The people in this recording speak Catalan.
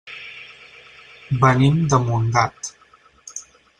Venim de Montgat.